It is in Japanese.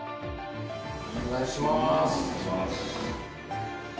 ・お願いします。